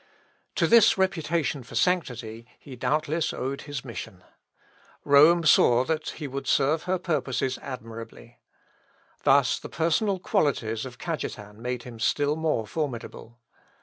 To this reputation for sanctity he doubtless owed his mission. Rome saw that he would serve her purposes admirably. Thus the personal qualities of Cajetan made him still more formidable.